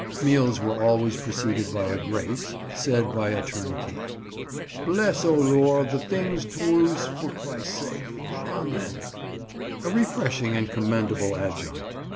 Meals were always preceded by a grace (?) said by a turnkey: "Bless O lor' th' things touruse for crysake, Amen!" a refreshing and commendable adjunct.